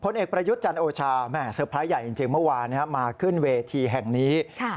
เอกประยุทธ์จันโอชาแม่เตอร์ไพรส์ใหญ่จริงเมื่อวานมาขึ้นเวทีแห่งนี้